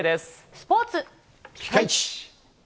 スポーツ、ピカイチ。